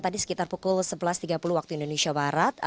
tadi sekitar pukul sebelas tiga puluh waktu indonesia barat